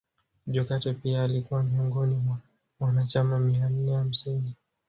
Jokate pia alikuwa miongoni mwa wanachama mia nne hamsini